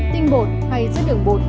tinh bột hay chất lượng bột